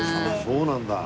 そうなんだ。